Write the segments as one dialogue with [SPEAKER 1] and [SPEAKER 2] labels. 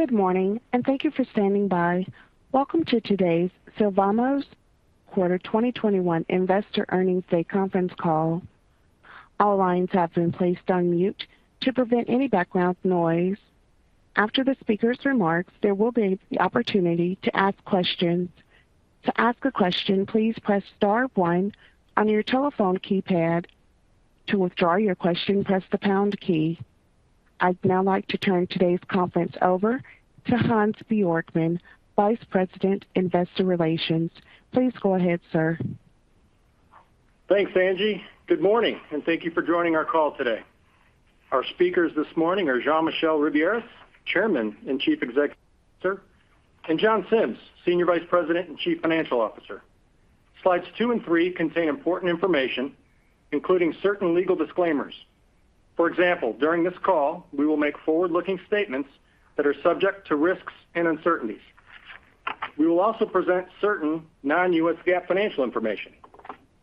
[SPEAKER 1] Good morning, and thank you for standing by. Welcome to today's Sylvamo's fourth quarter 2021 investor earnings day conference call. All lines have been placed on mute to prevent any background noise. After the speaker's remarks, there will be the opportunity to ask questions. To ask a question, please press star one on your telephone keypad. To withdraw your question, press the pound key. I'd now like to turn today's conference over to Hans Bjorkman, Vice President, Investor Relations. Please go ahead, sir.
[SPEAKER 2] Thanks, Angie. Good morning, and thank you for joining our call today. Our speakers this morning are Jean-Michel Ribiéras, Chairman and Chief Executive Officer, and John Sims, Senior Vice President and Chief Financial Officer. Slides 2 and 3 contain important information, including certain legal disclaimers. For example, during this call, we will make forward-looking statements that are subject to risks and uncertainties. We will also present certain non-U.S. GAAP financial information.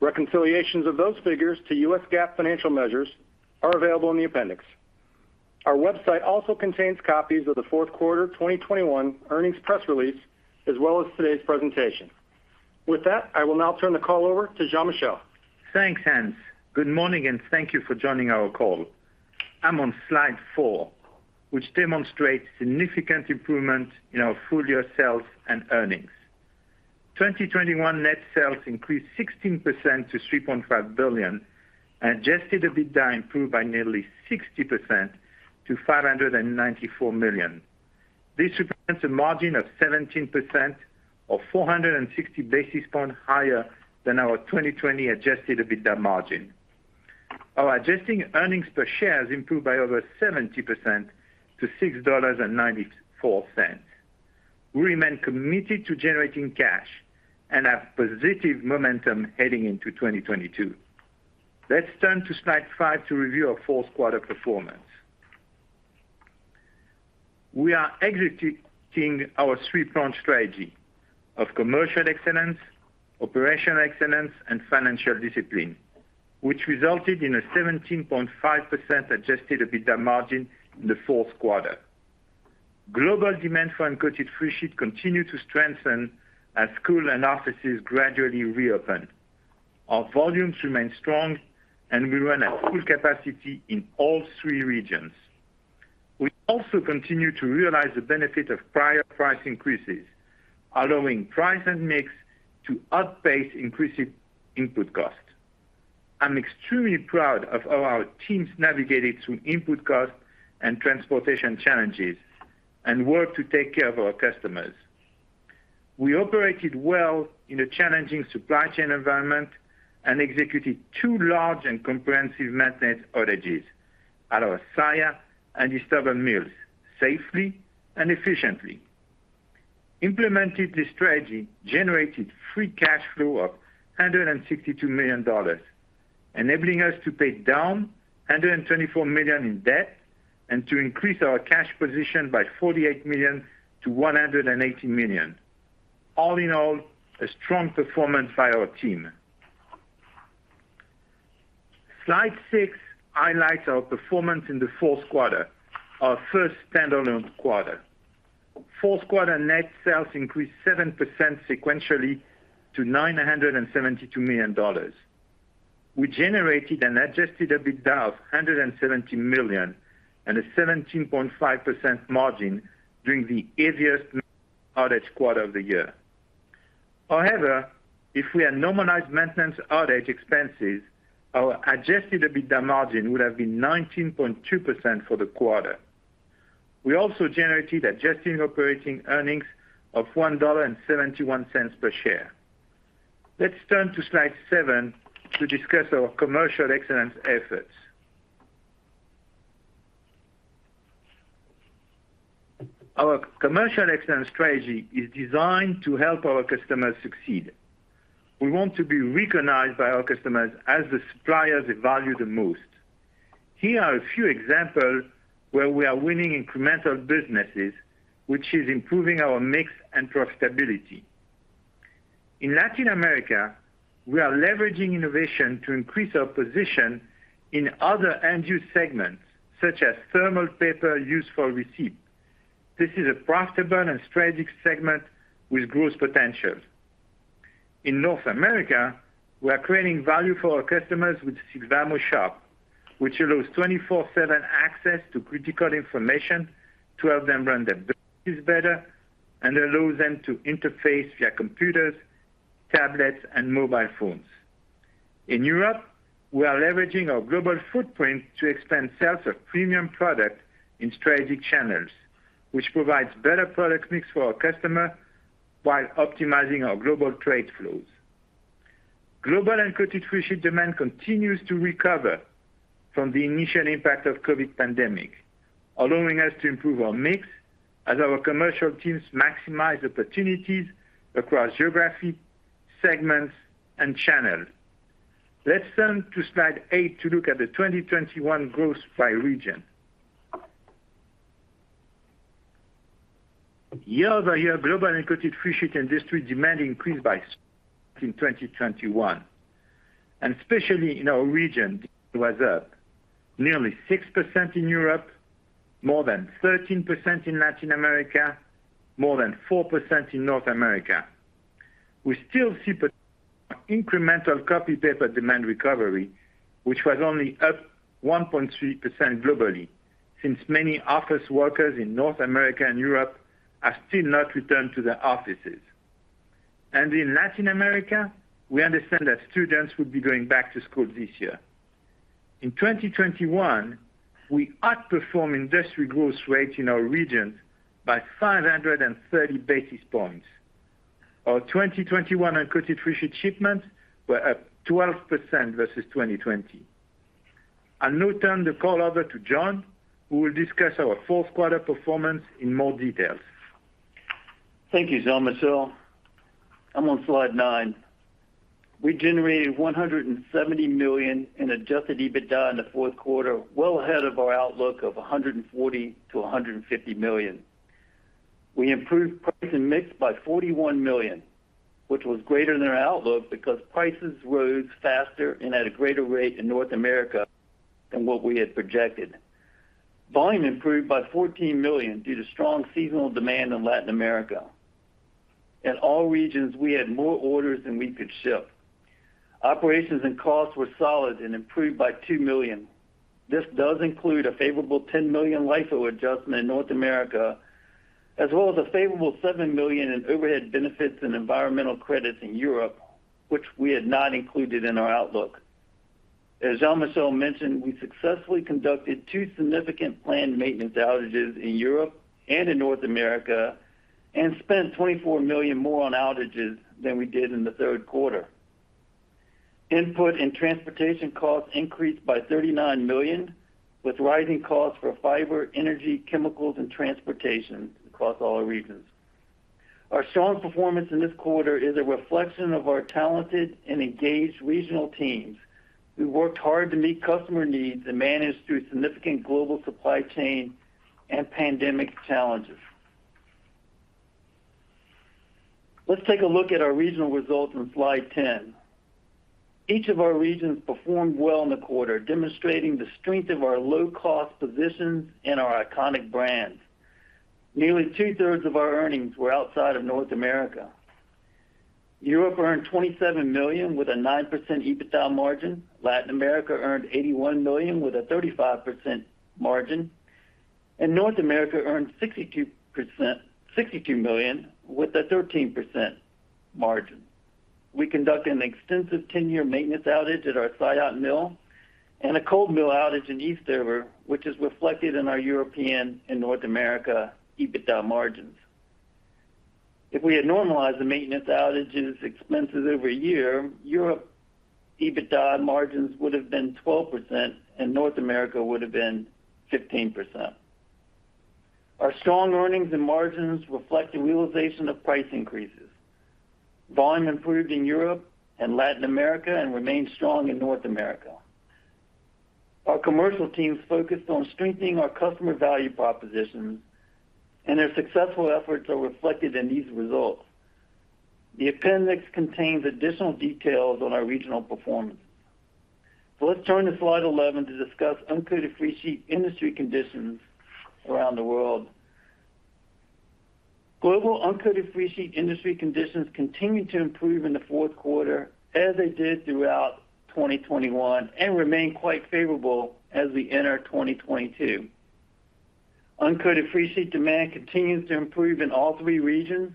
[SPEAKER 2] Reconciliations of those figures to U.S. GAAP financial measures are available in the appendix. Our website also contains copies of the fourth quarter 2021 earnings press release, as well as today's presentation. With that, I will now turn the call over to Jean-Michel.
[SPEAKER 3] Thanks, Hans. Good morning, and thank you for joining our call. I'm on slide four, which demonstrates significant improvement in our full year sales and earnings. 2021 net sales increased 16% to $3.5 billion. Adjusted EBITDA improved by nearly 60% to $594 million. This represents a margin of 17% or 460 basis points higher than our 2020 adjusted EBITDA margin. Our adjusted earnings per share has improved by over 70% to $6.94. We remain committed to generating cash and have positive momentum heading into 2022. Let's turn to slide five to review our fourth quarter performance. We are executing our three-pronged strategy of commercial excellence, operational excellence, and financial discipline, which resulted in a 17.5% adjusted EBITDA margin in the fourth quarter. Global demand for uncoated freesheet continued to strengthen as schools and offices gradually reopen. Our volumes remain strong, and we run at full capacity in all three regions. We also continue to realize the benefit of prior price increases, allowing price and mix to outpace increasing input costs. I'm extremely proud of how our teams navigated through input costs and transportation challenges and worked to take care of our customers. We operated well in a challenging supply chain environment and executed two large and comprehensive maintenance outages at our Saillat and Eastover mills safely and efficiently. Implementing this strategy generated free cash flow of $162 million, enabling us to pay down $124 million in debt and to increase our cash position by $48 million to $180 million. All in all, a strong performance by our team. Slide 6 highlights our performance in the fourth quarter, our first standalone quarter. Fourth quarter net sales increased 7% sequentially to $972 million. We generated an adjusted EBITDA of $170 million and a 17.5% margin during the heaviest outage quarter of the year. However, if we had normalized maintenance outage expenses, our adjusted EBITDA margin would have been 19.2% for the quarter. We also generated adjusted operating earnings of $1.71 per share. Let's turn to Slide 7 to discuss our commercial excellence efforts. Our commercial excellence strategy is designed to help our customers succeed. We want to be recognized by our customers as the suppliers they value the most. Here are a few examples where we are winning incremental businesses, which is improving our mix and profitability. In Latin America, we are leveraging innovation to increase our position in other end-use segments, such as thermal paper used for receipts. This is a profitable and strategic segment with growth potential. In North America, we are creating value for our customers with Sylvamo Shop, which allows 24/7 access to critical information to help them run their businesses better and allows them to interface via computers, tablets, and mobile phones. In Europe, we are leveraging our global footprint to expand sales of premium product in strategic channels, which provides better product mix for our customer while optimizing our global trade flows. Global uncoated freesheet demand continues to recover from the initial impact of COVID pandemic, allowing us to improve our mix as our commercial teams maximize opportunities across geography, segments, and channels. Let's turn to slide 8 to look at the 2021 growth by region. Year-over-year global uncoated freesheet industry demand increased by in 2021. Especially in our region, it was up nearly 6% in Europe, more than 13% in Latin America, more than 4% in North America. We still see potential for incremental copy paper demand recovery, which was only up 1.3% globally, since many office workers in North America and Europe have still not returned to their offices. In Latin America, we understand that students will be going back to school this year. In 2021, we outperformed industry growth rates in our regions by 530 basis points. Our 2021 uncoated freesheet shipments were up 12% versus 2020. I'll now turn the call over to John, who will discuss our fourth quarter performance in more detail.
[SPEAKER 4] Thank you, Jean-Michel. I'm on slide 9. We generated $170 million in adjusted EBITDA in the fourth quarter, well ahead of our outlook of $140 million-$150 million. We improved price and mix by $41 million, which was greater than our outlook because prices rose faster and at a greater rate in North America than what we had projected. Volume improved by $14 million due to strong seasonal demand in Latin America. In all regions, we had more orders than we could ship. Operations and costs were solid and improved by $2 million. This does include a favorable $10 million LIFO adjustment in North America, as well as a favorable $7 million in overhead benefits and environmental credits in Europe, which we had not included in our outlook. As Jean-Michel mentioned, we successfully conducted two significant planned maintenance outages in Europe and in North America, and spent $24 million more on outages than we did in the third quarter. Input and transportation costs increased by $39 million, with rising costs for fiber, energy, chemicals, and transportation across all regions. Our strong performance in this quarter is a reflection of our talented and engaged regional teams, who worked hard to meet customer needs and managed through significant global supply chain and pandemic challenges. Let's take a look at our regional results on slide 10. Each of our regions performed well in the quarter, demonstrating the strength of our low-cost positions and our iconic brands. Nearly two-thirds of our earnings were outside of North America. Europe earned $27 million with a 9% EBITDA margin. Latin America earned $81 million with a 35% margin. North America earned $62 million with a 13% margin. We conducted an extensive ten-year maintenance outage at our Saillat mill and a cold mill outage in Eastover, which is reflected in our European and North America EBITDA margins. If we had normalized the maintenance outages expenses over a year, Europe EBITDA margins would have been 12%, and North America would have been 15%. Our strong earnings and margins reflect the realization of price increases. Volume improved in Europe and Latin America and remained strong in North America. Our commercial teams focused on strengthening our customer value propositions, and their successful efforts are reflected in these results. The appendix contains additional details on our regional performance. Let's turn to slide 11 to discuss uncoated freesheet industry conditions around the world. Global uncoated freesheet industry conditions continued to improve in the fourth quarter as they did throughout 2021, and remain quite favorable as we enter 2022. Uncoated freesheet demand continues to improve in all three regions,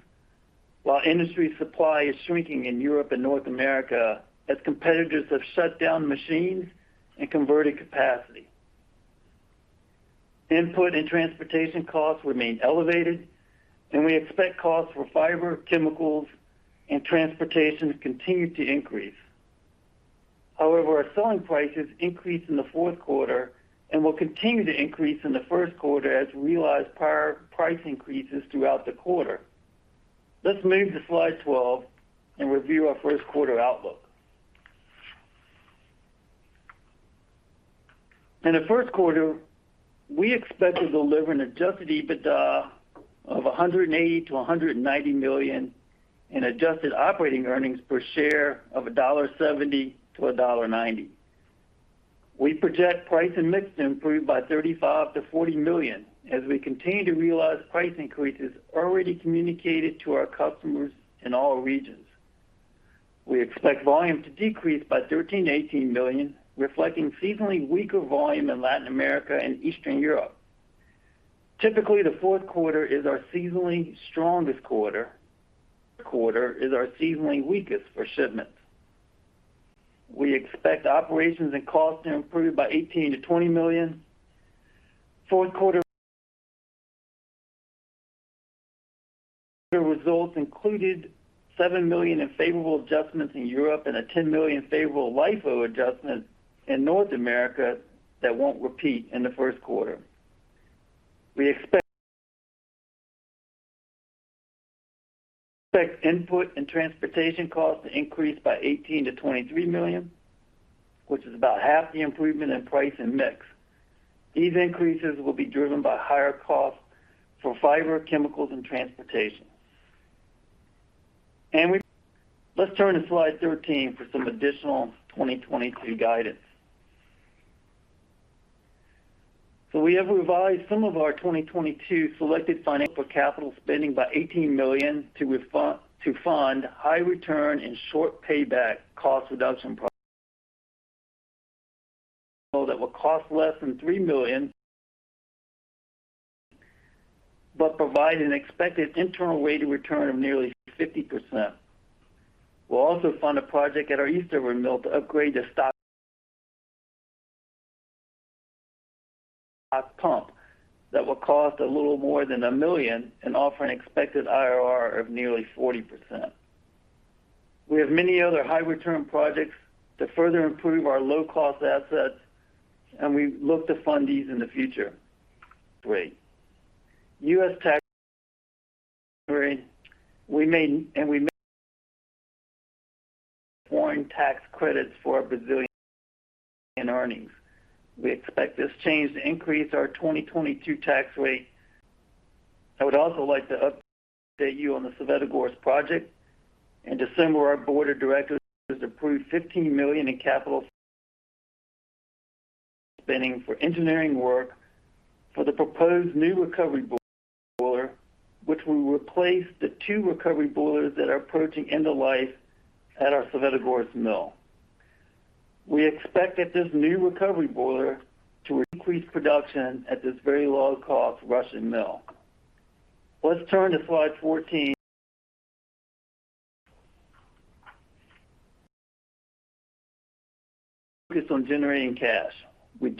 [SPEAKER 4] while industry supply is shrinking in Europe and North America as competitors have shut down machines and converted capacity. Input and transportation costs remain elevated, and we expect costs for fiber, chemicals, and transportation to continue to increase. However, our selling prices increased in the fourth quarter and will continue to increase in the first quarter as we realize prior price increases throughout the quarter. Let's move to slide 12 and review our first quarter outlook. In the first quarter, we expect to deliver an adjusted EBITDA of $180 million-$190 million and adjusted operating earnings per share of $1.70-$1.90. We project price and mix to improve by $35 million-$40 million as we continue to realize price increases already communicated to our customers in all regions. We expect volume to decrease by 13 million-18 million, reflecting seasonally weaker volume in Latin America and Eastern Europe. Typically, the fourth quarter is our seasonally strongest quarter. First quarter is our seasonally weakest for shipments. We expect operations and costs to improve by $18 million-$20 million. Fourth quarter results included $7 million in favorable adjustments in Europe and a $10 million favorable LIFO adjustment in North America that won't repeat in the first quarter. We expect input and transportation costs to increase by $18 million-$23 million, which is about half the improvement in price and mix. These increases will be driven by higher costs for fiber, chemicals, and transportation. Let's turn to slide 13 for some additional 2022 guidance. We have revised some of our 2022 selected financial capital spending by $18 million to fund high return and short payback cost reduction projects that will cost less than $3 million, but provide an expected internal rate of return of nearly 50%. We'll also fund a project at our Eastover mill to upgrade the stock prep that will cost a little more than $1 million and offer an expected IRR of nearly 40%. We have many other high return projects to further improve our low cost assets, and we look to fund these in the future. Great. US tax we made and we made foreign tax credits for Brazilian in earnings. We expect this change to increase our 2022 tax rate. I would also like to update you on the Svetogorsk project. In December, our board of directors approved $15 million in capital spending for engineering work for the proposed new recovery boiler, which will replace the two recovery boilers that are approaching end of life at our Svetogorsk mill. We expect that this new recovery boiler to increase production at this very low cost Russian mill. Let's turn to slide 14. Focus on generating cash. We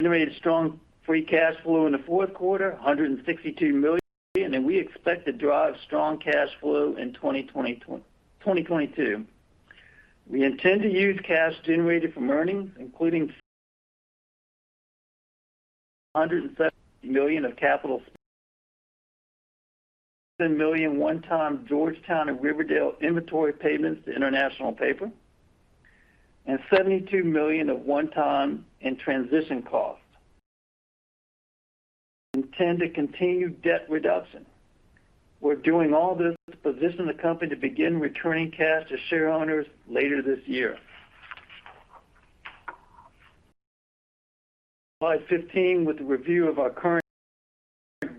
[SPEAKER 4] generated strong free cash flow in the fourth quarter, $162 million, and we expect to drive strong cash flow in 2022. We intend to use cash generated from earnings, including $170 million of capital and one-time Georgetown and Riverdale inventory payments to International Paper, and $72 million of one-time and transition costs. We intend to continue debt reduction. We're doing all this to position the company to begin returning cash to shareowners later this year. Slide 15 with a review of our current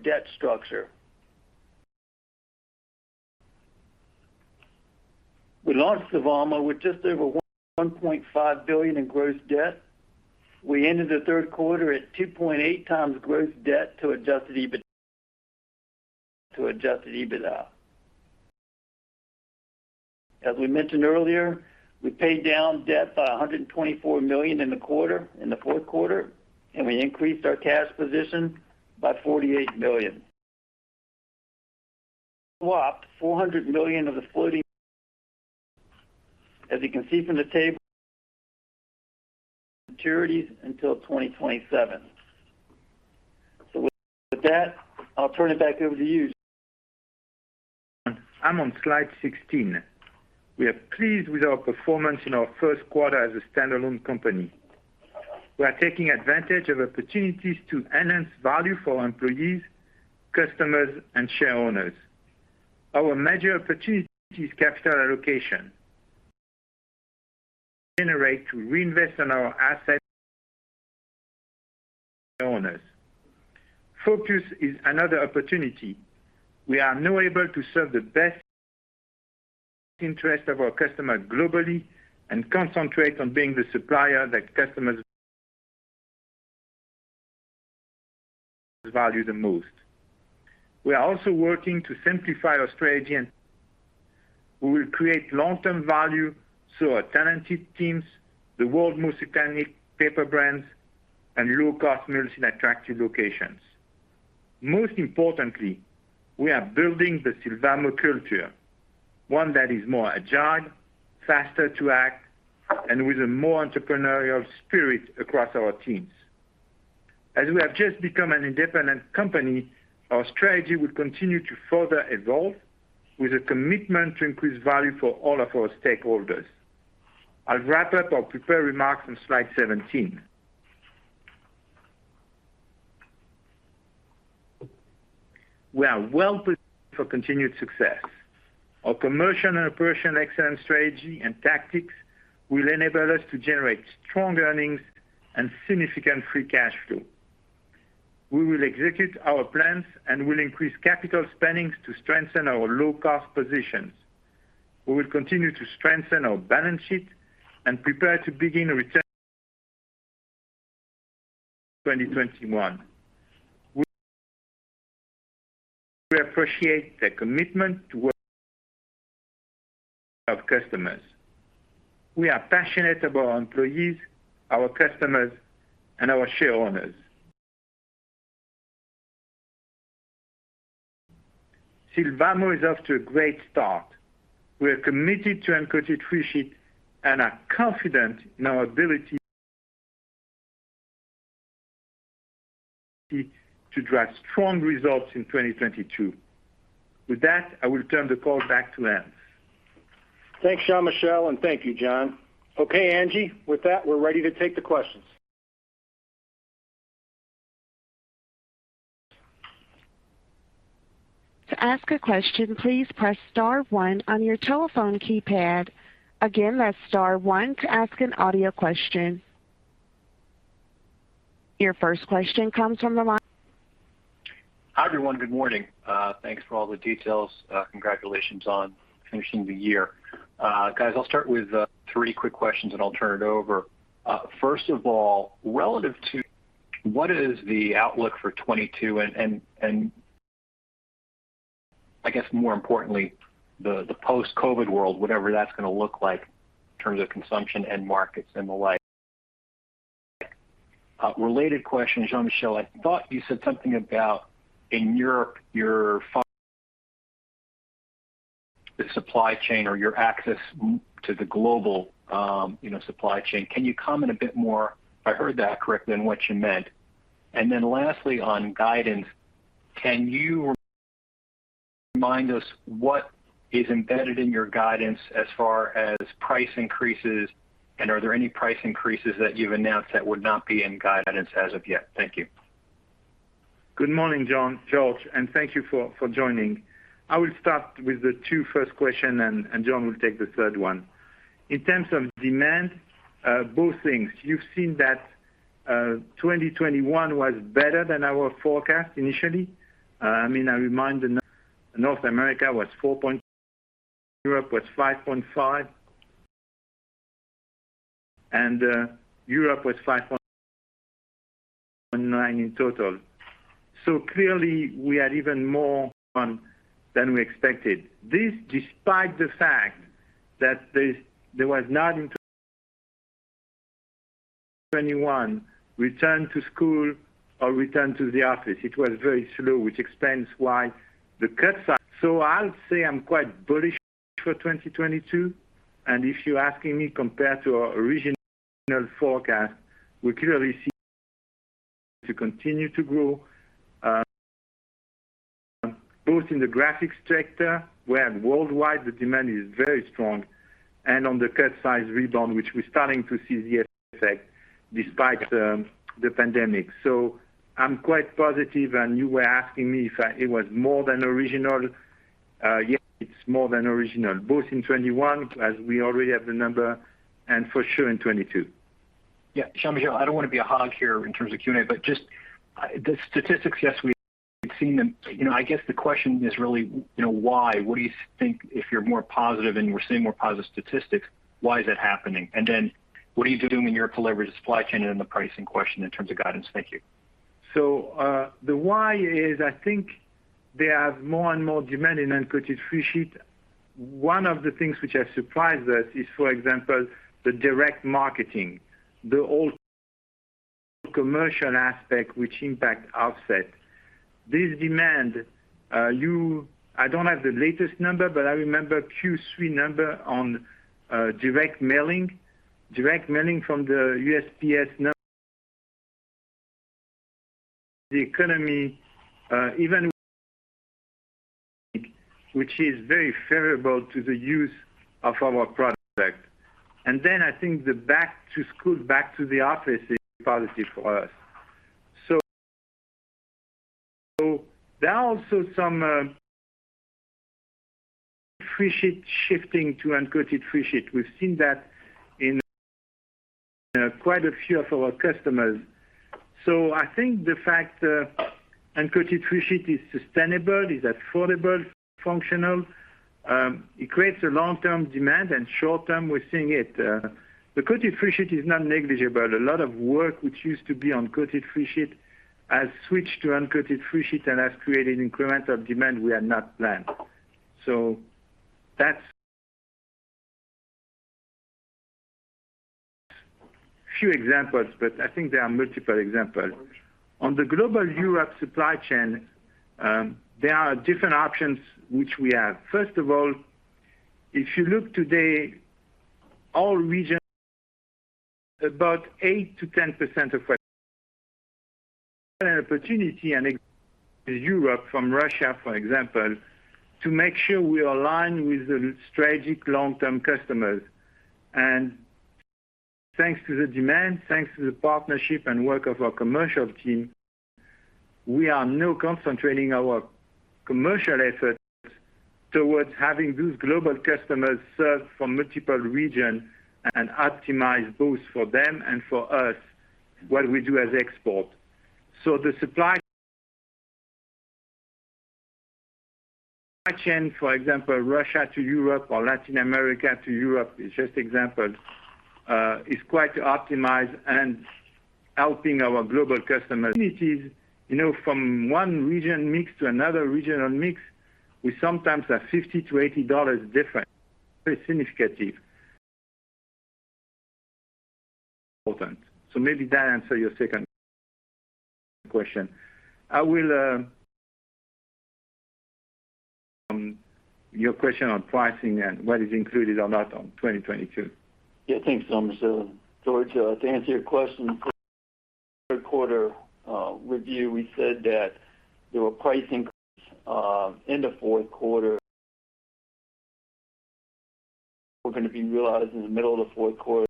[SPEAKER 4] debt structure. We launched Sylvamo with just over $1.5 billion in gross debt. We ended the third quarter at 2.8 times gross debt to adjusted EBITDA. As we mentioned earlier, we paid down debt by $124 million in the quarter, in the fourth quarter, and we increased our cash position by $48 million. We swapped $400 million of the floating. As you can see from the table, maturities until 2027. With that, I'll turn it back over to you.
[SPEAKER 3] I'm on slide 16. We are pleased with our performance in our first quarter as a standalone company. We are taking advantage of opportunities to enhance value for our employees, customers, and shareowners. Our major opportunity is capital allocation to generate cash to reinvest in our assets for shareowners. Focus is another opportunity. We are now able to serve the best interest of our customers globally and concentrate on being the supplier that customers value the most. We are also working to simplify our strategy and we will create long-term value through our talented teams, the world's most iconic paper brands, and low-cost mills in attractive locations. Most importantly, we are building the Sylvamo culture, one that is more agile, faster to act, and with a more entrepreneurial spirit across our teams. As we have just become an independent company, our strategy will continue to further evolve with a commitment to increase value for all of our stakeholders. I'll wrap up our prepared remarks on slide 17. We are well-positioned for continued success. Our commercial and operational excellence strategy and tactics will enable us to generate strong earnings and significant free cash flow. We will execute our plans and will increase capital spending to strengthen our low-cost positions. We will continue to strengthen our balance sheet and prepare to begin returning capital in 2021. We appreciate the commitment to our customers. We are passionate about our employees, our customers, and our shareowners. Sylvamo is off to a great start. We are committed to uncoated freesheet and are confident in our ability to drive strong results in 2022. With that, I will turn the call back to Hans.
[SPEAKER 2] Thanks, Jean-Michel, and thank you, John. Okay, Angie, with that, we're ready to take the questions.
[SPEAKER 1] To ask a question, please press star one on your telephone keypad. Again, that's star one to ask an audio question. Your first question comes from the line.
[SPEAKER 5] Hi, everyone. Good morning. Thanks for all the details. Congratulations on finishing the year. Guys, I'll start with three quick questions, and I'll turn it over. First of all, relative to what is the outlook for 2022 and I guess more importantly, the post-COVID world, whatever that's gonna look like in terms of consumption and markets and the like. related question, Jean-Michel, I thought you said something about in Europe, your supply chain or your access to the global, supply chain. Can you comment a bit more if I heard that correctly and what you meant? Lastly, on guidance, can you remind us what is embedded in your guidance as far as price increases, and are there any price increases that you've announced that would not be in guidance as of yet? Thank you.
[SPEAKER 3] Good morning, George, and thank you for joining. I will start with the first two questions, and John will take the third one. In terms of demand, both things. You've seen that 2021 was better than our forecast initially. I mean, North America was 4%. Europe was 5.5%. Total was 5.9% in total. Clearly, we had even more than we expected. This despite the fact that there was not in 2021 return to school or return to the office. It was very slow, which explains why the cut size. I'll say I'm quite bullish for 2022. If you're asking me compared to our original forecast, we clearly see to continue to grow, both in the graphics sector, where worldwide the demand is very strong, and on the cut size rebound, which we're starting to see the effect despite the pandemic. I'm quite positive, and you were asking me if it was more than original. Yes, it's more than original, both in 2021, as we already have the number, and for sure in 2022.
[SPEAKER 5] Yeah. Jean-Michel, I don't want to be a hog here in terms of Q&A, but just the statistics, yes, we've seen them. I guess the question is really, why? What do you think if you're more positive and we're seeing more positive statistics, why is it happening? Then what are you doing in your collaborative supply chain and the pricing question in terms of guidance? Thank you.
[SPEAKER 3] The why is I think there are more and more demand in uncoated freesheet. One of the things which has surprised us is, for example, the direct mail, the old commercial aspect which impact offset. This demand, I don't have the latest number, but I remember Q3 number on, direct mailing. Direct mailing from the USPS number. The economy, even which is very favorable to the use of our product. Then I think the back to school, back to the office is positive for us. There are also some, freesheet shifting to uncoated freesheet. We've seen that in quite a few of our customers. I think the fact, uncoated freesheet is sustainable, is affordable, functional, it creates a long-term demand, and short-term, we're seeing it. The coated freesheet is not negligible. A lot of work which used to be on coated freesheet has switched to uncoated freesheet and has created incremental demand we had not planned. That's few examples, but I think there are multiple examples. On the global Europe supply chain, there are different options which we have. First of all, if you look today, all regions, about 8%-10% of opportunity in Europe from Russia, for example, to make sure we align with the strategic long-term customers. Thanks to the demand, thanks to the partnership and work of our commercial team, we are now concentrating our commercial efforts towards having those global customers served from multiple region and optimize both for them and for us what we do as export. The supply chain, for example, Russia to Europe or Latin America to Europe, it's just example, is quite optimized and helping our global customers. You know, from one region mix to another regional mix, we sometimes have $50-$80 different. Very significant. Maybe that answer your second question. Your question on pricing and what is included on that on 2022.
[SPEAKER 4] Thanks, George, to answer your question, third quarter review, we said that there were price increases in the fourth quarter. We're gonna be realizing in the middle of the fourth quarter, and then carry over to first quarter.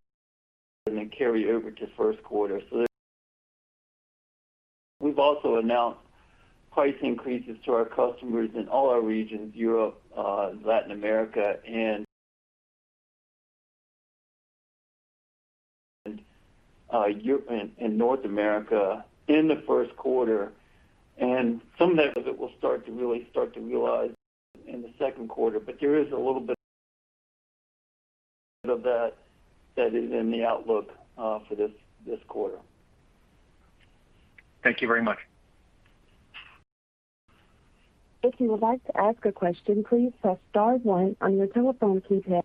[SPEAKER 4] We've also announced price increases to our customers in all our regions, Europe, Latin America, and North America in the first quarter. Some of that will start to really realize in the second quarter. There is a little bit of that that is in the outlook for this quarter.
[SPEAKER 5] Thank you very much.
[SPEAKER 1] If you would like to ask a question, please press star one on your telephone keypad.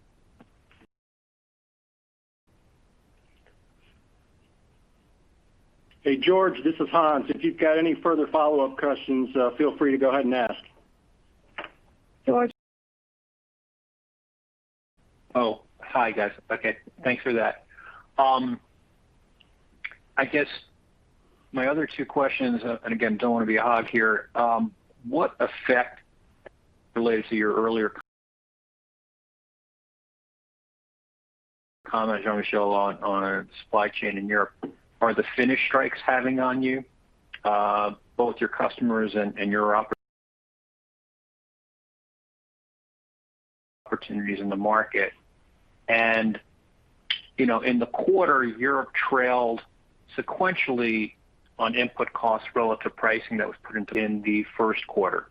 [SPEAKER 2] Hey, George, this is Hans. If you've got any further follow-up questions, feel free to go ahead and ask.
[SPEAKER 1] George.
[SPEAKER 5] Oh, hi, guys. Okay, thanks for that. I guess my other two questions, and again, don't wanna be a hog here. What effect, relates to your earlier comment, Jean-Michel, on supply chain in Europe, are the Finnish strikes having on you, both your customers and your opportunities in the market. In the quarter, Europe trailed sequentially on input costs relative pricing that was put into the first quarter.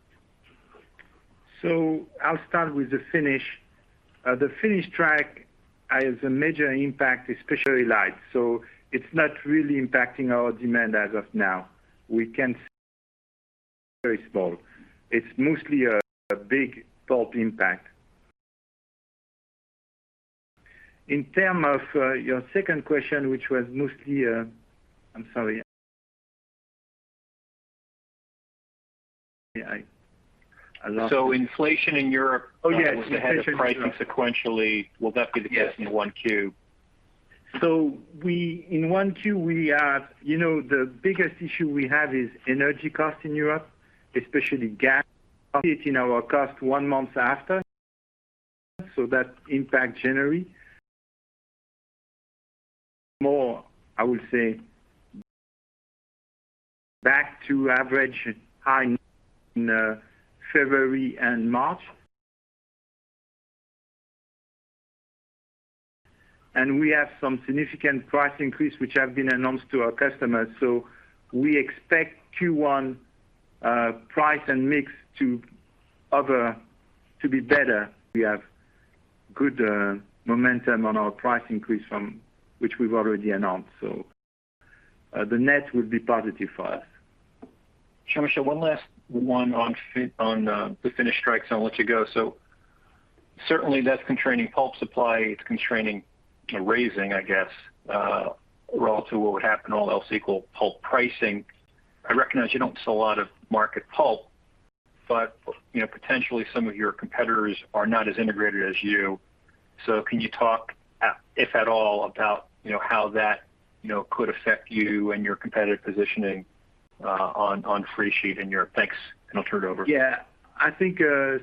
[SPEAKER 3] I'll start with the Finnish. The Finnish strike has a major impact, especially light. It's not really impacting our demand as of now. It's very small. It's mostly a big pulp impact. In terms of your second question, which was mostly. I'm sorry. I lost it.
[SPEAKER 5] Inflation in Europe.
[SPEAKER 3] Oh, yes.
[SPEAKER 5] was ahead of price sequentially. Will that be the case in 1Q?
[SPEAKER 3] We in one Q have the biggest issue we have is energy cost in Europe, especially gas. It hits our costs one month after, so that impacts January. Moreover, I would say, back to average high in February and March. We have some significant price increase, which have been announced to our customers. We expect Q1 price and mix to be better. We have good momentum on our price increase which we've already announced. The net will be positive for us.
[SPEAKER 5] Jean-Michel, one last one on the Finnish strikes, and I'll let you go. Certainly that's constraining pulp supply. It's constraining pricing, I guess, relative to what would happen, all else equal pulp pricing. I recognize you don't sell a lot of market pulp, but, potentially some of your competitors are not as integrated as you. Can you talk, if at all, about, how that, you know, could affect you and your competitive positioning, uh, on freesheet in Europe? Thanks. I'll turn it over.
[SPEAKER 3] Yeah. I think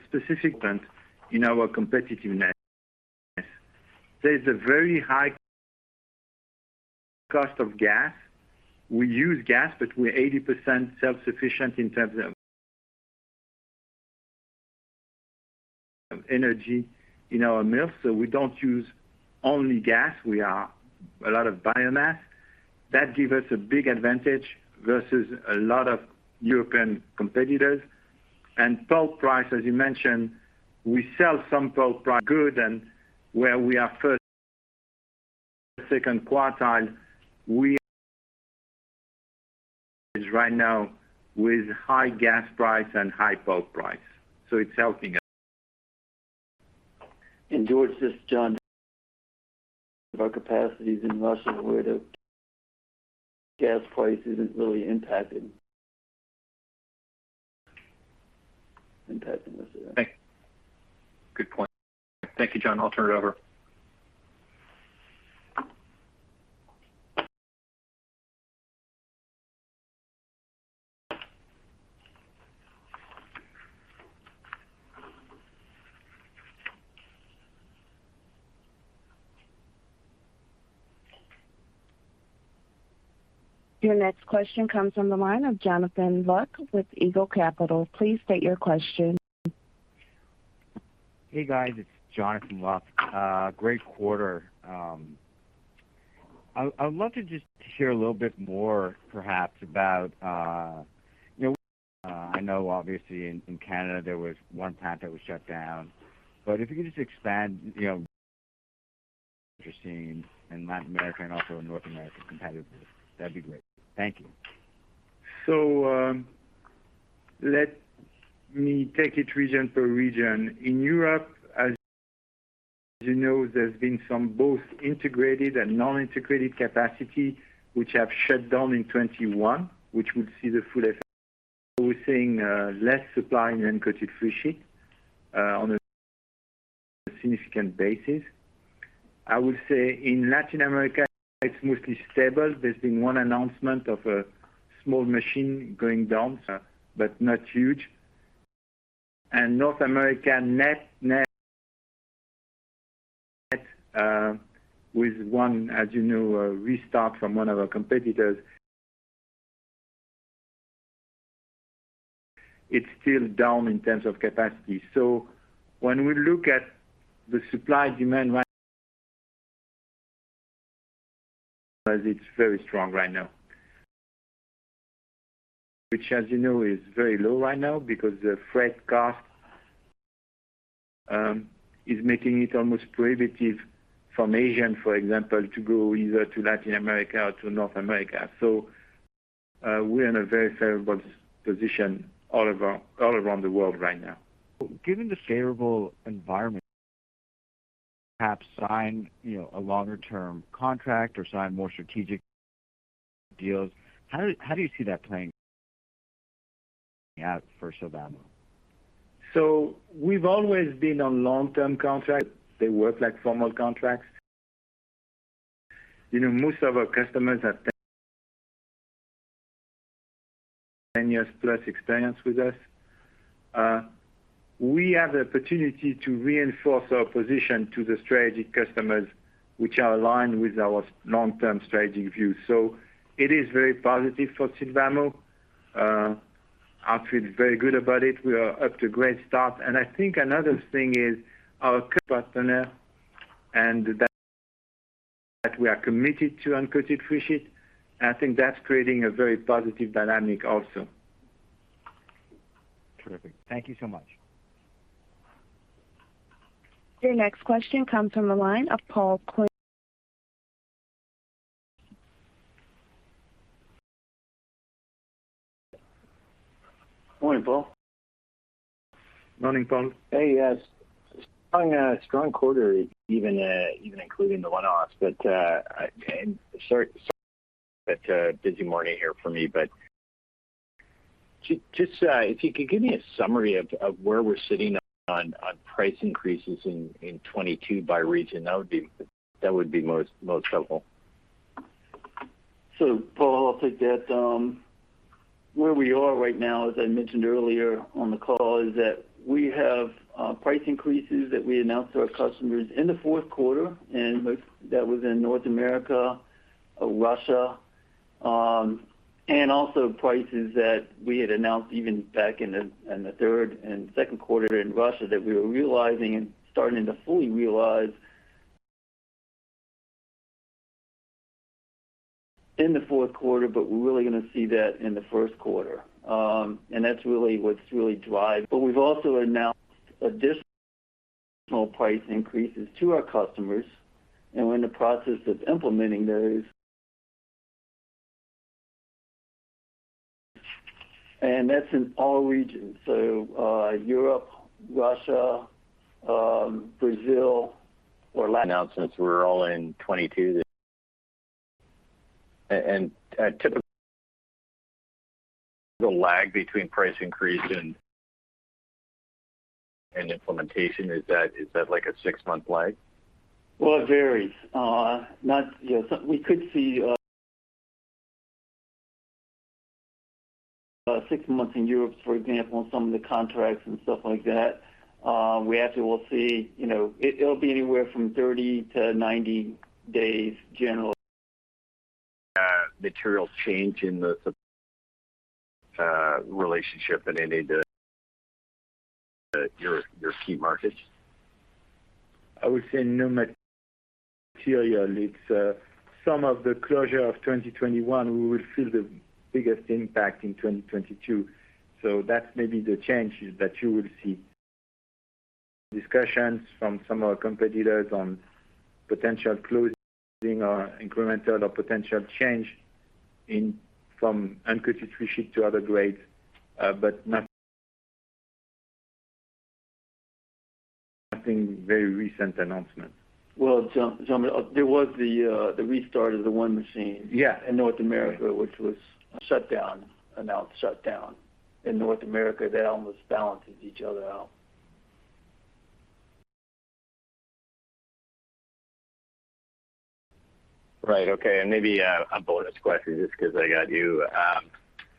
[SPEAKER 3] specifically in our competitiveness. There's a very high cost of gas. We use gas, but we're 80% self-sufficient in terms of energy in our mills, so we don't use only gas. We use a lot of biomass. That gives us a big advantage versus a lot of European competitors. Pulp price, as you mentioned, we sell some pulp. Prices good. Where we are first or second quartile, we're right now with high gas price and high pulp price. It's helping us.
[SPEAKER 4] George, this is John. Our capacities in Russia where the gas price isn't really impacting us.
[SPEAKER 5] Good point. Thank you, John. I'll turn it over.
[SPEAKER 1] Your next question comes from the line of Jonathan Luft with Eagle Capital. Please state your question.
[SPEAKER 6] Hey, guys, it's Jonathan Luft. Great quarter. I'd love to just hear a little bit more perhaps about, you know, I know obviously in Canada, there was one plant that was shut down. If you could just expand, you know, you're seeing in Latin America and also in North America competitively. That'd be great. Thank you.
[SPEAKER 3] Let me take it region per region. In Europe, as As you know, there's been some both integrated and non-integrated capacity which have shut down in 2021, which we'll see the full effect. We're seeing less supply in uncoated freesheet on a significant basis. I would say in Latin America, it's mostly stable. There's been one announcement of a small machine going down, but not huge. North America net with one, as you know, restart from one of our competitors. It's still down in terms of capacity. When we look at the supply-demand right now because it's very strong right now. Which, as you know, is very low right now because the freight cost is making it almost prohibitive from Asia, for example, to go either to Latin America or to North America. We're in a very favorable position all over, all around the world right now.
[SPEAKER 6] Given the favorable environment, perhaps sign, a longer-term contract or sign more strategic deals. How do you see that playing out for Sylvamo?
[SPEAKER 3] We've always been on long-term contracts. They work like formal contracts. Most of our customers have 10 years-plus experience with us. We have the opportunity to reinforce our position to the strategic customers which are aligned with our long-term strategic view. It is very positive for Sylvamo. I feel very good about it. We are up to a great start. I think another thing is our partner, and that we are committed to uncoated freesheet. I think that's creating a very positive dynamic also.
[SPEAKER 6] Terrific. Thank you so much.
[SPEAKER 1] Your next question comes from the line of Paul Quinn.
[SPEAKER 7] Morning, Paul.
[SPEAKER 3] Morning, Paul.
[SPEAKER 7] Hey, yes. Strong quarter even including the one-offs. Sorry, busy morning here for me. Just if you could give me a summary of where we're sitting on price increases in 2022 by region, that would be most helpful.
[SPEAKER 3] Paul, I'll take that. Where we are right now, as I mentioned earlier on the call, is that we have price increases that we announced to our customers in the fourth quarter, and most that was in North America, Russia, and also prices that we had announced even back in the third and second quarter in Russia that we were realizing and starting to fully realize in the fourth quarter, but we're really going to see that in the first quarter. We've also announced additional price increases to our customers, and we're in the process of implementing those. That's in all regions. Europe, Russia, Brazil or Latin-
[SPEAKER 7] Announcements were all in 2022. Typical lag between price increase and implementation, is that like a six-month lag?
[SPEAKER 3] Well, it varies. We could see six months in Europe, for example, on some of the contracts and stuff like that. We actually will see, you know, it'll be anywhere from 30-90 days generally.
[SPEAKER 7] Material change in the relationship in any of the your key markets?
[SPEAKER 3] I would say no material. It's some of the closure of 2021, we will feel the biggest impact in 2022. That's maybe the changes that you will see. Discussions from some of our competitors on potential closing or incremental or potential change in from uncoated freesheet to other grades, but nothing very recent announcement.
[SPEAKER 7] Well, Jean, there was the restart of the one machine- Yeah.
[SPEAKER 3] In North America, which was shut down. Announced shut down. In North America, that almost balances each other out.
[SPEAKER 7] Right. Okay. Maybe a bonus question just 'cause I got you.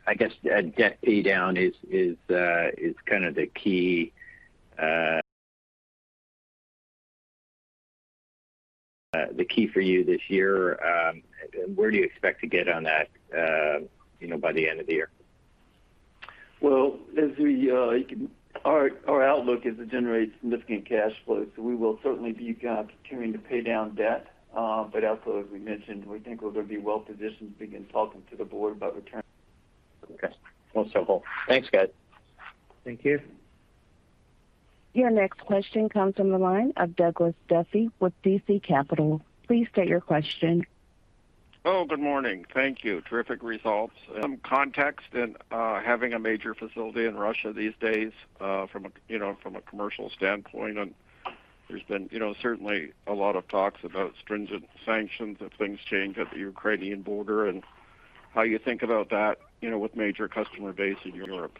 [SPEAKER 7] I guess debt pay down is kind of the key for you this year. Where do you expect to get on that, you know, by the end of the year?
[SPEAKER 3] Well, our outlook is to generate significant cash flow. We will certainly be continuing to pay down debt. Also as we mentioned, we think we're going to be well positioned to begin talking to the board about return.
[SPEAKER 7] Okay. Well, it's helpful. Thanks, guys.
[SPEAKER 3] Thank you.
[SPEAKER 1] Your next question comes from the line of Douglas Duffy with DC Capital. Please state your question.
[SPEAKER 8] Oh, good morning. Thank you. Terrific results. Some context in having a major facility in Russia these days from a, from a commercial standpoint. There's been, you know, certainly a lot of talks about stringent sanctions if things change at the Ukrainian border and how you think about that, with major customer base in Europe.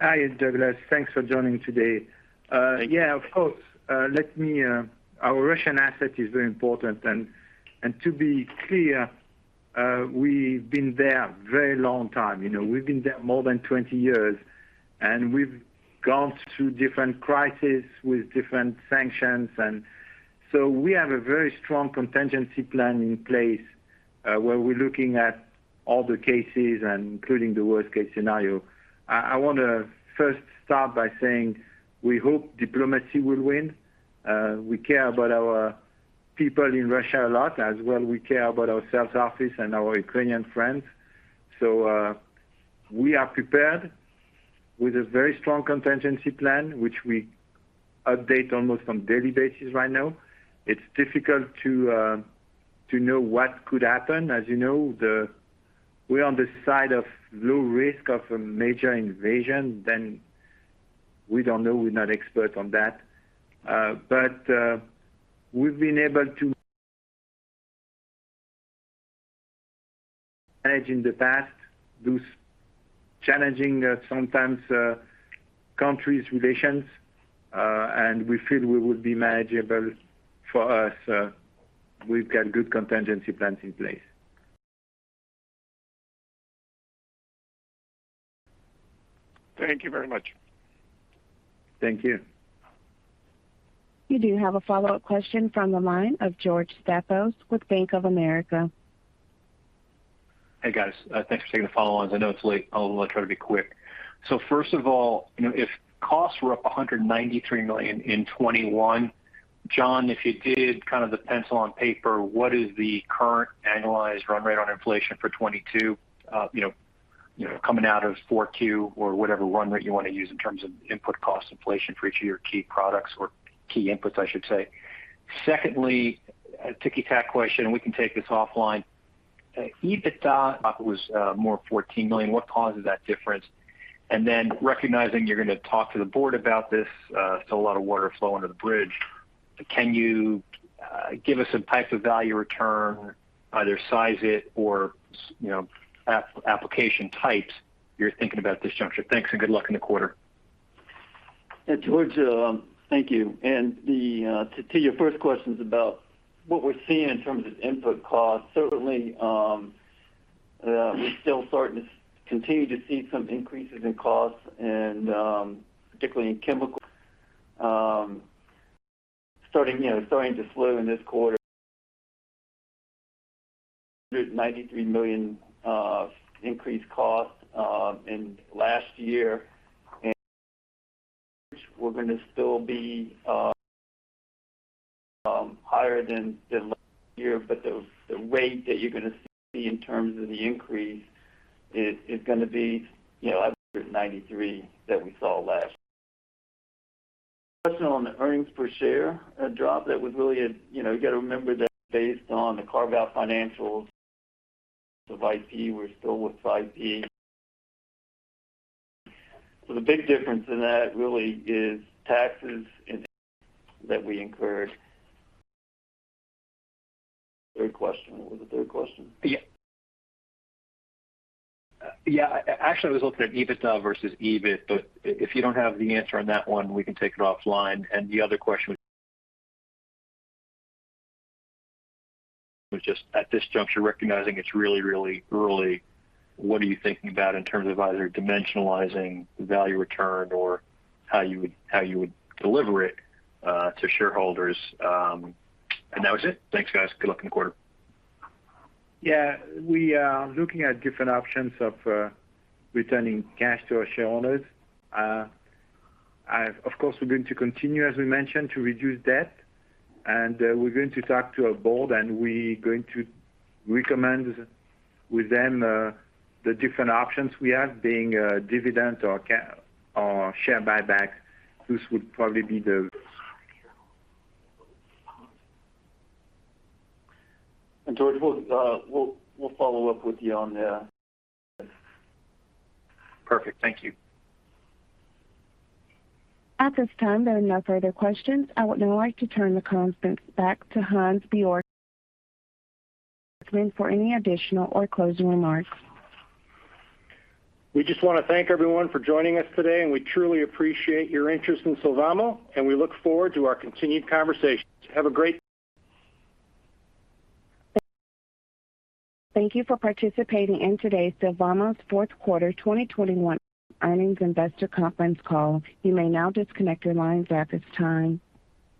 [SPEAKER 3] Hi, Douglas. Thanks for joining today. Our Russian asset is very important. And to be clear, we've been there very long time. You know, we've been there more than 20 years, and we've gone through different crises with different sanctions. We have a very strong contingency plan in place, where we're looking at all the cases and including the worst-case scenario. I wanna first start by saying we hope diplomacy will win. We care about our people in Russia a lot. As well we care about our sales office and our Ukrainian friends. We are prepared with a very strong contingency plan, which we update almost on daily basis right now. It's difficult to know what could happen. As you know, we're on the side of low risk of a major invasion, then we don't know, we're not expert on that, but we've been able to manage in the past those challenging, sometimes, countries relations, and we feel we would be manageable for us. We've got good contingency plans in place.
[SPEAKER 8] Thank you very much.
[SPEAKER 3] Thank you.
[SPEAKER 1] You do have a follow-up question from the line of George Staphos with Bank of America.
[SPEAKER 5] Hey, guys. Thanks for taking the follow on. I know it's late. I'll try to be quick. First of all, if costs were up $193 million in 2021, John, if you did kind of the pencil on paper, what is the current annualized run rate on inflation for 2022, you know, coming out of 4Q or whatever run rate you wanna use in terms of input cost inflation for each of your key products or key inputs, I should say. Secondly, a ticky-tack question, we can take this offline. EBITDA was $14 million more. What causes that difference? Then recognizing you're gonna talk to the board about this, still a lot of water to flow under the bridge. Can you give us some type of value return, either size it or, application types you're thinking about this juncture? Thanks and good luck in the quarter.
[SPEAKER 4] George, thank you. To your first questions about what we're seeing in terms of input costs, certainly, we're still starting to continue to see some increases in costs and, particularly in chemicals, starting to slow in this quarter. $193 million increase in costs in last year. We're gonna still be higher than last year, but the rate that you're gonna see in terms of the increase is gonna be, you know, $93 million that we saw last year. Question on the earnings per share drop, that was really, you know, you got to remember that based on the carve-out financials of IP, we're still with IP. So the big difference in that really is taxes and that we incurred. Third question. What was the third question?
[SPEAKER 5] Yeah. Actually, I was looking at EBITDA versus EBIT, but if you don't have the answer on that one, we can take it offline. The other question was just at this juncture, recognizing it's really, really early, what are you thinking about in terms of either dimensionalizing the value return or how you would deliver it to shareholders? That was it. Thanks, guys. Good luck in the quarter.
[SPEAKER 3] Yeah. We are looking at different options of returning cash to our shareholders. Of course, we're going to continue, as we mentioned, to reduce debt. We're going to talk to our board, and we're going to recommend with them the different options we have being dividend or share buyback. This would probably be the-
[SPEAKER 4] George, we'll follow up with you on the.
[SPEAKER 5] Perfect. Thank you.
[SPEAKER 1] At this time, there are no further questions. I would now like to turn the conference back to Hans Bjorkman for any additional or closing remarks.
[SPEAKER 2] We just wanna thank everyone for joining us today, and we truly appreciate your interest in Sylvamo, and we look forward to our continued conversations. Have a great day.
[SPEAKER 1] Thank you for participating in today's Sylvamo's fourth quarter 2021 earnings investor conference call. You may now disconnect your lines at this time.